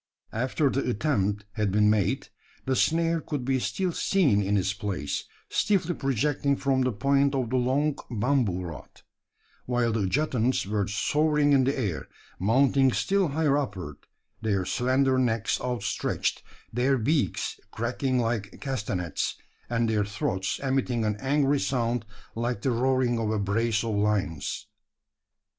After the attempt had been made, the snare could be still seen in its place, stiffly projecting from the point of the long bamboo rod; while the adjutants were soaring in the air, mounting still higher upward, their slender necks outstretched, their beaks cracking like castanets, and their throats emitting an angry sound like the roaring of a brace of lions.